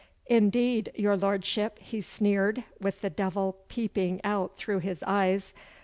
'Indeed, your lordship,' he sneered, with the devil peeping out through his eyes.